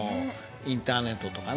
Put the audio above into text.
インターネットとかね